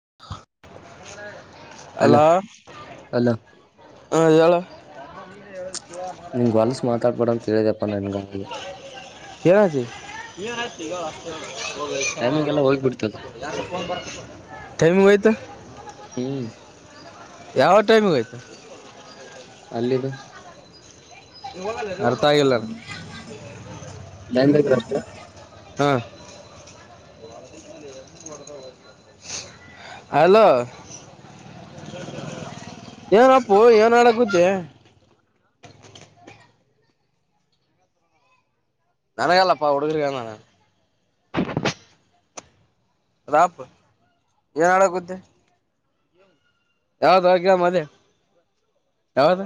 [inaudible] Hello ಹ hello ಹೇಳು ನಿಂಗ್ ಹೊಲ್ಸ್ ಮಾತಾಡ್ಬೇಡ ಅಂತ ಹೇಳಿದಪ್ಪ ನನ್ಗ ಹೇಳ ಟೈಮಿಂಗ್ ಎಲ್ಲ ಹೋಗ್ಬಿಡ್ತದ [unintelligible] [inaudible] ಟೈಮ ವೈತ್ತು ಹ್ಮ್ ಯಾವ ಟೈಮಗತ್ತು ಅಲ್ಲ ಇದು ಇವ [unintelligible] ಹಾಂ ಹಲೋ ಏನಪ್ಪು ಏನ್ ಆಡ ಗುತ್ತೆ ನನಗೆಲ್ಲಪ್ಪಾ ಉಡುಗರುಕ ನಾನ ರಾಪು ಏನ್ ಹಳಾಗುತ್ತೆ ಯಾವದು ಗ್ರಾಮ ಅದ ಯಾವದು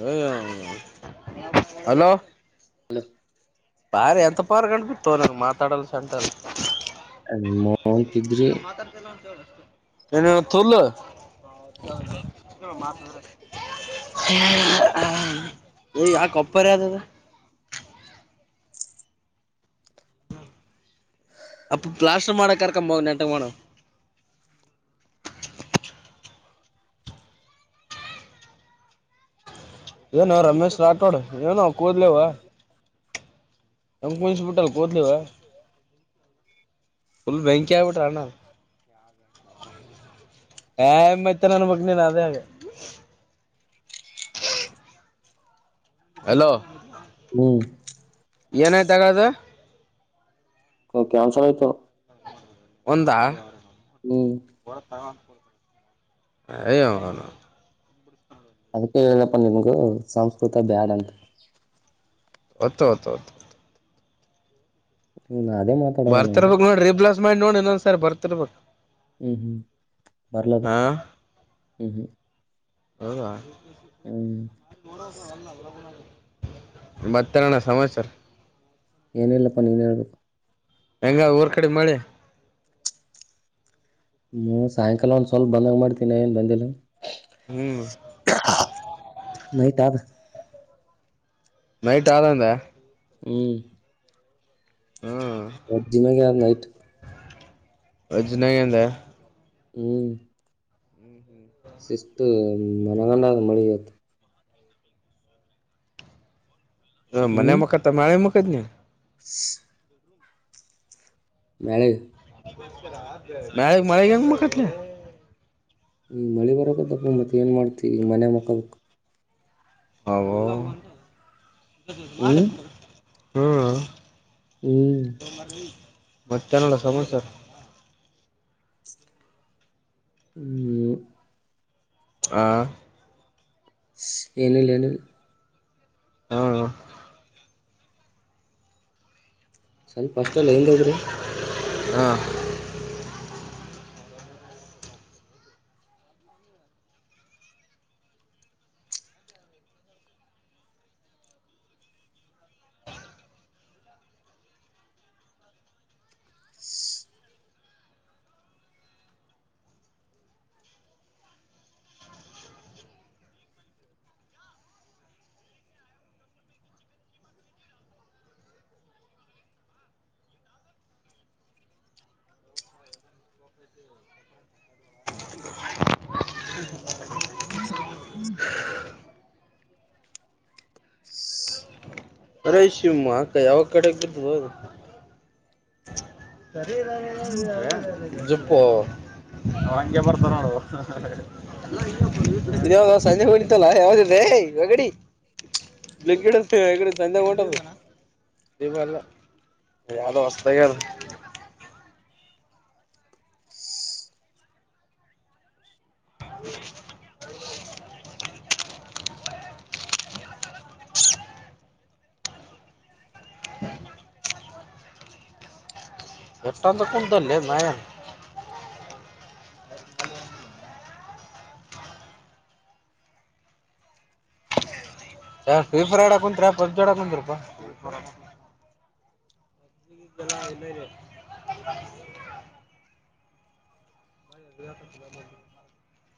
ಹ ಹಲೋ ಬಾರ್ ಎಂತ ಪಾರ್ ಗಂಡ್ ಬಿತ್ತು ಅವ್ರಂಗ ಮಾತಾಡಲ್ಲ ಸಂಟ ಮೋಹನ್ಫಿದ್ರೆ ಏನ [unintelligible] ಕೊಪ್ಪರ್ ಯತದ ಅಪ್ಪ ಪ್ಲಾಸ್ರ್ ಮಾಡಡಕ್ಕರಕಂಬ ನಟ ಮಾಡಡ [inaudible] ಏನು ರಮೇಶ್ ರಾಠೋಡ್ ಏನೋ ಕೂದ್ಲವ ಅಂಕಂಸ್ ಬಿಟಲ್ ಕೂದಲಿವ ಫುಲ್ ಬ್ಯಾಂಕಿ ಆಯ್ಬಟ್ಟಣ ಹಮ್ಮತ ನಾನು ಮಗ್ನೆ ನದ ಹಾಗ ಹ್ಮ ಹಲೋ ಹ್ಮ್ ಏನಾಯ್ತಗದು ಕನ್ಸತ್ತು ಒಂದಾ [inaudible] [unintelligible] ಅದಕ್ಕೆ ಹೇಳಪ್ಪ ನಿಮ್ಗು ಸಂಸ್ಕೃತ ಬ್ಯಾಡ್ ಅಂತ ಅತ್ತುತ್ತುತ್ತು ಹ್ಮ ಅದೇ ಮಾತಾಡವ ನಾನು ಬರ್ತಿರ್ಬೇಕಕ್ ನೋಡಿ ರಿಪ್ಲಸ್ ಮಾಡಿ ನೋಡಿ ಇನ್ನೊಂದ್ಸರಿ ಬರ್ತಿರ್ಬೇಕು ಹ್ಮ್ ಹ್ಮ್ ಬರ್ಲದ ಹಾ ಹ್ಮ್ ಹ್ಮ್ ಹೌದಾ ಹ್ಮ್ ಮತ್ತರಣ ಸಮಾಚಾರ ಏನ ಏನುಲ್ಲಪ್ಪಾ ನೀನ್ ಹೇಳ್ಬೇಕ ಹೆಂಗ ಊರ್ ಕಡೆ ಮಳೆ ಹ್ಮ್ ಸಾಯಂಕಾಲ ಒಂದ್ ಸ್ವಲ್ಪ ಬಂದಾಗ ಮಾಡ್ತೀಿನಿ ಏನ್ ಬಂದಿಲ್ಲ ಹ್ಮ್ [unintelligible] ನೈಟ್ ಆದದಂದ ಹ್ಮ್ ಹ್ಮ್ ಜಿಮಗೆ ಆದ ನೈಟ್ [unintelligible] ಹ್ಮ್ ಶಿಸ್ತು ನನಗೊಂಡ ಮಿತ್ತು ಹ ಮನೆ ಹ್ಮ್ ಮಖತ ತಮ್ಮ ಆ ಮುಖಜ ನೀ [unintelligible] ಮಳೆ [unintelligible] ನೀ ಮಳೆ ಬರಕ ತಪ್ಪ ಮತ್ತೆ ಏನ್ ಮಾಡ್ತೀವಿ ಈಗ ಮನೆ ಮಕ್ಕೋಬೇಕು ಹ ಹ್ಮ್ ಹ್ಮ್ ಹ್ಮ್ ಮತ್ತೆನಲ್ಲ ಸಮನ್ ಸರ್ ಹ್ಮ ಹಾ ಏನಿಲ್ಲ ಏನಿಲ್ [unintelligible] ಸ್ವಲ್ಪ ಅಷ್ಟ ಅಲ್ಲ ಏನ್ ಇದ್ರು ಹಾ ರೈ ಶಿವಮ್ಮ ಅಕ್ಕ ಯಾವಾಗ ಕಡೆ [unintelligible] ಸರಿ [unintelligible] [inaudible] ಜುಪ್ಪು ಹಗೆ ಬರ್ತ ನೋ ಇದಾಗ [unintelligible] ಸಂಜೆ ಹಳಿತಲ್ಲ ಯಾವ್ದದೆ [unintelligible] ಈವಲ್ಲ ಯಾವ್ದೋ ಹೊಸದ್ಯಗದ್. [inaudible] ಎಟಾನ ದಕದಲ್ಲ ಮಾಯನ್ ಸ್ವೀಪರ್ ಆಡ ಕುಂತ್ರ ಪಬ್ಜಿ ಆಡ ಕುಂರತ್ರಪ್ಪ. [inaudible] [inaudible]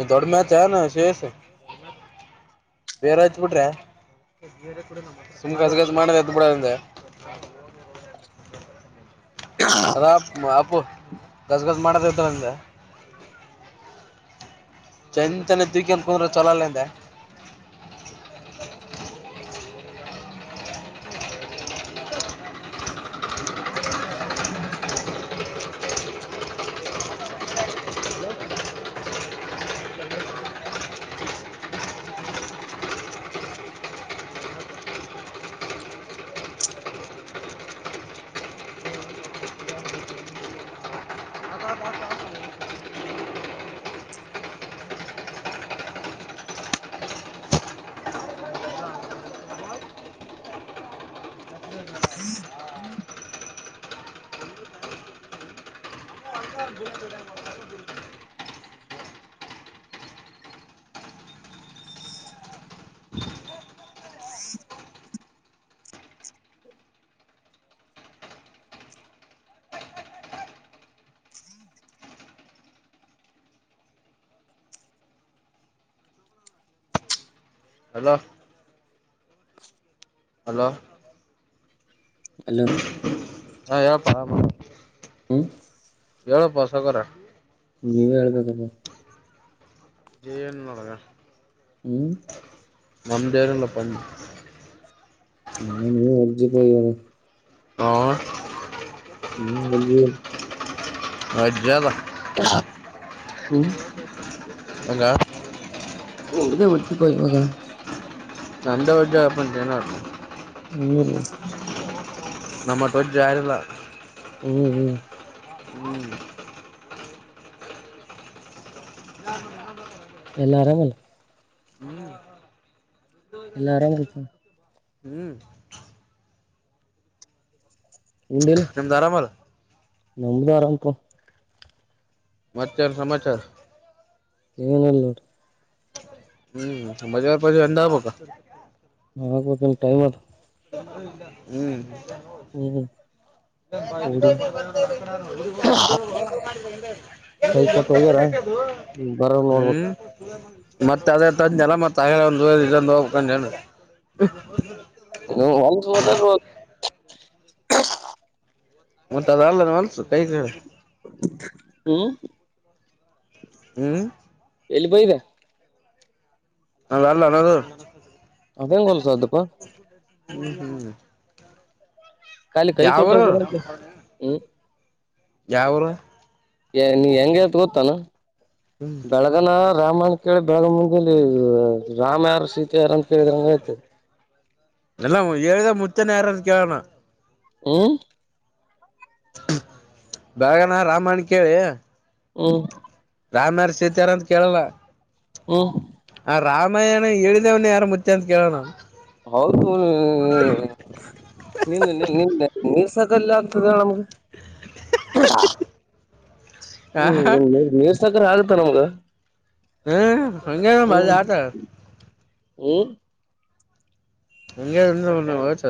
ಈ ದೊಡ ಮ್ಯಾತನ್ ಶೇಷ ಬೇರೆ ಹತ್ ಬಿಟ್ರೆ [unintelligible] ಮಾಡದ ಆತ್ ಬಿಡಂದೆ. ಅದ ಅಪ್ಪು ಗಸ್ಗಸ್ ಮಾಡದತ ಅಂದೆ. ಚನ್ಂತನೆ ತಕನ್ ಕುಂದ್ರೆ ಚಲಲ್ಲಂದೆ [inaudible] [inaudible] ಹಲೋ ಹಲೋ ಹಲೋ ಹಾ ಹೇಳಪ ಹ್ಮ್ ಹೇಳಪ್ಪ ಸಗರ ನೀವೇ ಹೇಳ್ಬೇಕಪ್ಪ ಏನ್ ನೋಡಗ ಹ್ಮ ನಂದೇನಿಲ್ಲಪ ಎಲ್ಲಾ ನೀ ಹೊಡ್ಜಿಪಯ ಅದ. ಹ [unintelligible] [unintelligible] ಹ್ಮ ಹಂಗ [unintelligible] ಇವಾಗ [unintelligible] ಹ್ಮ್ ನಮ್ಮತ್ರ ಜಾರಿಲ್ಲ ಹ್ಮ್ ಹ್ಮ್ ಎಲ್ಲ ಆರಾಮೆನ್. ಹ್ಮ್ ಎಲ್ಲಾ ಆರಾಮ್ ಹ್ಮ್ ನಿಮ್ದು ಆರಾಮಲ್ ನಿಮ್ದೆ ಆರಾಮ್ ಪ ಮತ್ತೇನ್ ಸಮಾಚಾರ? ಏನಲ್ಲೋಡು. ಹ್ಮ್ [unintelligible] ಮಜೆವ ಮಜೆ ಎಂಡ ಆಬಬೇಕ ಹ ಹಾಗ್ಬೇಕ ಟೈಮ್ ಅದ್ ಹ್ಮ್ ಹ್ಮ್ ಹುಡಿ [unintelligible] ಕೈ ಕೊಟ್ಟು ಹೋಗ್ಯಾರ ಬರೊರ್ ನೋಡ್ಬೇಕು. ಮತ್ತೆ ಅದೇ ತಂದನ ಮತ್ತ [unintelligible] ಒ ಇದ ಹೋಗ್ಕೊಂಡನ ಒಸಂಬದ [unintelligible] ಮತ್ತ ಅದ ಅಲ್ಲ ಅನ್ಸು ಕೈ ಹ್ಮ ಹ್ಮ್ ಎಲ್ಲಿಗೋಗಿದ್ದೆ? ಅ ಅಲ್ಲ ಅದು ಅದ್ ಹೆಂಗ ಹೊಲ್ಸದಪ್ಪ? ಹ್ಮ್ ಹ್ಮ್ ಕಾಲ ಕೈ ಕೋಟರ್ ಯಾವರು [unintelligible] ಹ್ಮ್ ಯಾವೂರ? ಏ ನೀ ಹೆಂಗ್ಯಾತ್ ಗೊತ್ತಾನ ಹ್ಮ್ ಬೆಳಗಾನ ರಾಮನ್ ಕೇಳ ಬೆಳಗ ಮುಂಜಲ್ಲಿ ರಾಮ ಯಾರ್ ಸೀತೆ ಯಾರ್ ಅಂತ ಕೇಳ್ದಂಗ ಆಯ್ತ. ಎಲ್ಲ ಎಳಿದಾ ಮುಂಚ್ಚನ ಯಾರನ ಕೇಳ್ಣ. ಹ್ಮ ಬೆಳಗ್ಯಾನ ರಾಮಯ್ಣ್ ಕೇಳಿ- ಹ್ಮ್ ರಾಮ್ಯಾರ ಸೇತ್ಯಾರ ಅಂತ ಕೇಳಲ್ಲ. ಹ್ಮು ಅಣ ಹೇಳಿದವನ ಯಾರು ಮುಂಚ್ ಅಂತ ಕೇಳಣ. ಹೌದು ನಿಲ್ಸಕಲ್ಲ ಆಗ್ತದ ನಮ್ಗೆ. ಆ ಹ್ಮ್ ನಿ ನೀರ್ ಸಕ್ಕರೆ ಹಾಳತ್ತ ನಮ್ಗ? ಹ್ಮ ಹಂಗೇನು ಮ ಹ್ಮ್ ಆತ [inaudible] [unintelligible] ಹಂಗಂದ ವಟ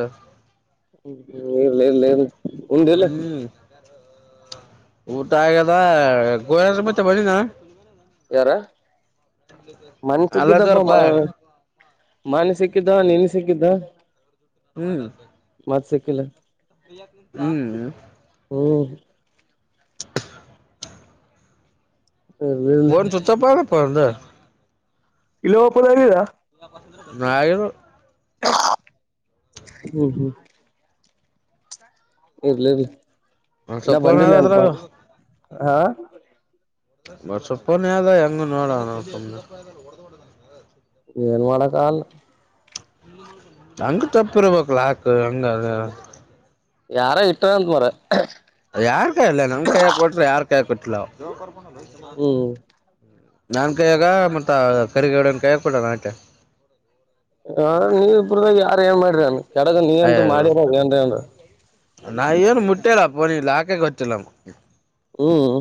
ಹ್ಮ್ಮ ಇರ್ಲ ಇರ್ಲ ಹೇಳು ಉಂಡ್ಯಲ್ಲ? ಹ್ಮ್ ಊಟ ಆಗದ [unintelligible] ಮತ್ತೆ ಬಂದಿದ್ನ? ಯಾರ ಮನ್ ಸಿಗಿದ್ನಪ್ಪ. ಅಲ್ಲದವರಪಾ ಮೊನ್ ಸಿಕ್ಕಿದ್ದ ನೆನ್ ಸಿಕ್ಕಿದ್ದ. ಹ್ಮ್ ಮತ್ಸಿಕ್ಕಿಲ್ಲ. ಹ್ಮ್ ಹ್ಮ್ [inaudible] ಇರ್ಲಿ ಇರ್ಲಿ ಫೋನ್ ಚುಚ್ಚಪ್ಪಾದತ್ [unintelligible] ಪಂದ ಇಲ್ಲಿ ಓಪನ್ನಾಗಿಲ್ಲ. ನಾಯರು ಹ್ಮ್ ಹ್ಮ್ ಇರ್ಲಿ ಇರ್ಲಿ ಒಂದ್ ಇನ್ನ ಸ್ವಲ್ಪನ ಅದ ಬಂದಿಲ್ಲೇನ್ಪ ಅದ್ರಾಗ ಹಾ ಬರ್ಷ [unintelligible] ಹೆಂಗ ನೋಡೋಣ ಏನ್ ಮಾಡಕಾಗಲ್ಲ. ಹಂಗ ತಪ್ಪಿರ್ಬೇಕ ಆಕ ಹಂಗ ಅದ ಯಾರ ಇಟ್ಟರಂತ್ ಬೊರ. ಯಾರ್ ಕಾಯಲ್ಲ ನಮ್ ಕೈಯ ಕೊಟ್ರೆ ಯಾರ್ ಕಾಯ ಕೊಟ್ಟಲ ಹ್ಮ್ ನಾನ್ ಕಾಯಾಗ ಮತ್ತ ಕರಿಗೌಡನ್ ಕಾಯಗ ಕೊಡ ನಟೆ ಹ ನೀವಬ್ರದಾಗ ಯಾರ ಏನ್ ಮಾಡ್ರಾನ ಎಡಗ ನೀ ಎಂತೂ ಅಯ್ಯ ಮಾಡಿರ ಏನ್ ಏನ್ರ ನಿನ್ನ ಫೋನ್ ಲಾಕ್ ಗೊತ್ತಿಲ್ಲಪ್ಪ ಹ್ಮ್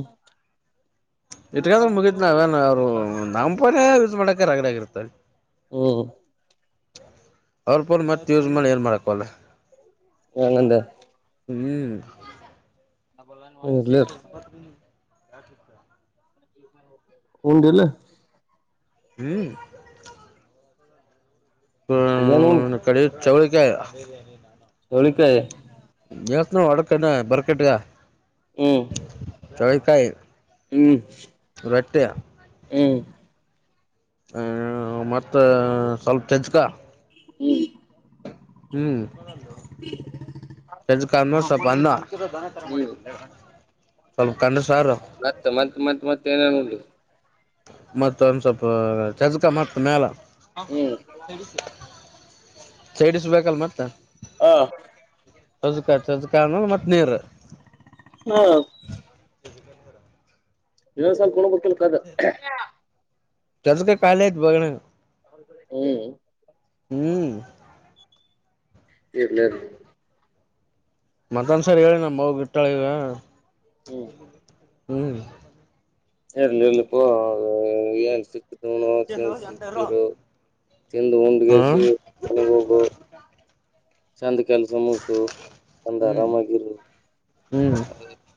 ಇಟ್ಕಂದ ಮುಗತ್ ನಾವನ್ ಅವ್ರು ನಾಪರ ಯಸ್ ಮಾಡಕ ರಗಡ ಆಗರ್ತ ಹ್ಮ ಅವ್ರ್ ಫೋನ್ ಮತ್ತ ಉಜ್ ಮಾಡಾನ ಏನ್ ಮಾಡಕಲ್ಲ ಅಗಂದೆ ಹ್ಮ್ ಇರ್ಲಿ ಯಾವ ಿ ಹುದೆಂಲ್ಲಾ ಹ್ಮ್ ಏನ್ ಉಂಡ್ ಹ ಕಡಿ ಚವಳ ಕ ಚೌಳಿಕಾಯಿ ಯವಸ್ನ ಒಡಕಣ ಬರ್ಕಟ್ಗ ಹ್ಮ್ ಚೌಳಿಕಾಯ ಹ್ಮ್ ಬೆೆಟ್ಟ ಹ್ಮ್ ಹ ಮತ್ತ ಸ್ವಲ್ಪ ಚಚ್ಕ ಹ್ಮ್ದು ಚಚ್ಚ್ ಸ್ ಅ ಹ್ಮ್ ಸ್ವಲ್ಪ ಕ ಮತ್ತ ಮತ್ತ್ ಮತ್ ಮತ್ತೆ ಏನೇ ಉ ಮತ್ತ ಒಂದ್ ಸ್ವಲ್ಪ ಚಜಕಾ ಮತ್ತ್ ಮ್ಯಾಲ ಹ್ಮ್ ಸಡಿಸಬೇಕಲ್ ಮತ್ತ ಹಾ ಸೊಜುಕಾ ಸಜುಕ ಮತ್ತ್ ನೀರು ಹಾ ಸಗತರ ನೀವಸಲ್ ಕಣ ಗತ್ತಲ್ ಕದು ಚದು ಕ ಕಾಲಯತ್ ಬಗ್ಣ ಹ್ಮ್ ಹ್ಮ್ ಇರ್ಲಿ ಇರ್ಲಿ ಮತ್ತೊಂದಸರಿ ಹೇಳಿ ನಮ ಮ ಇಟ್ಟಾಳೆ ಈವ ಹ್ಮ್ ಹ್ಮ್ ಇರ್ಲಿ ಇರ್ಲಿ ಪೋ ಏನ್ ಸಿಕ್ತತಣ ಸಿಕ್ತರು ತಿಂದು ಹ ಉಂಡ್ಗೇಸಿ ಮನೆಗ್ ಹೋಗು ಚಂದ್ ಕೆಲ್ಸ ಮುಗ್ಸು ಬಂದ್ ಹ್ಮ್ ಆರಾಮಗಿರು. ಹ್ಮ್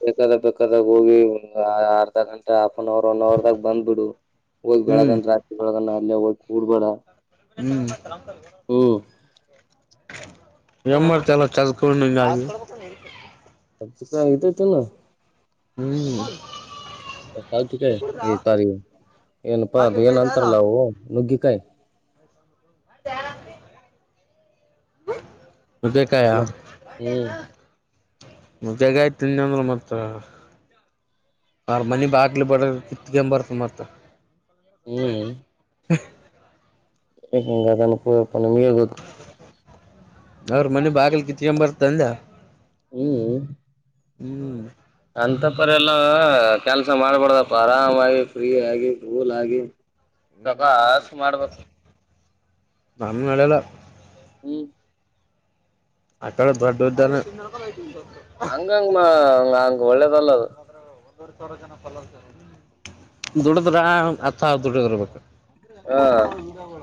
ಬೇಕಾದ ಬೇಕಾದಾಗ ಹೋಗಿ ಒ ಅರ್ಧ ಗಂಟೆ ಆ. ಒನ್ ಅವರ್ ಒನ್ ಅವರ್ದಾಗ ಬಂದ್ಬಿಡು ಹೋಗಿ ಹ್ಮ್ ಬೆಳಗಂದ ರಾತ್ರಿ ಬೆಳಗಣ ಅಲ್ಲಿ ಹೋಗಿ ಕೂಡ್ಬೇಡ. ಹ್ಮ್. ಹ್ಮ್ ಎಲ್ಲ ಚದುಕೊಂಡ. ಅ ಕ ಇತತ್ತುನು. ಹ್ಮ್. ಈ ಸಾರಿ ಏನಪ್ಪಾ ಅದು ಏನ್ ಅಂತಾರಲ್ಲ ಅವು ನುಗ್ಗಿ. ಕಾಯಿ [unintelligible] ಹಲೋ ಹ್ಮ್. [unintelligible] ಆಯ್ತನ್ನ ಅಂದ್ರ ಮತ್ತ. ಅವರ ಮನಿ ಬಾಗ್ಲ ಬಡ ಕಿತ್ಕ ಬರ್ತ ಮತ್ತ. ಹ್ಮ. [unintelligible] ಹಂಗ ಅದನ ಪಪ್ಪ ನಿಮಗೆ ಗೊತ್ತು ಅವ್ರ ಮನೆ ಬಾಗಲ್ ಕಿತ್ಕೊ ಬರ್ತ ಅಂದ. ಹ್ಮ್. ಹ್ಮ್. ಅಂತಪ್ಪರಿ ಎಲ್ಲ ಕೆಲ್ಸ ಮಾಡ್ಬಾರಡ್ದಪ್ಪ ಆರಾಮಾಗಿ, ಫ್ರೀ ಆಗಿ, ಕೂಲ್ ಆಗಿ. ಸವಕಾಸ ಮಾಡ್ಬೇಕು. ನಮ್ ನಡಲ್ಲ ಹ್ಮ. ಅಕ್ಕಡೆ ದೊಡ್ಡದ್ದಾನ. ಹಂಗ್ಮಂಗ ಹಂಗ ಒಳ್ಳೆ. [unintelligible] ದುಡದ್ರ ಒಂದು ಹತ್ ಸಾವಿರ ದುಡದ್ರ ಬೇಕ ಹಾ ಅಂಗಡ್ತ ಈಗಾಗ.